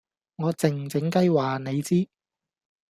我靜靜雞話你知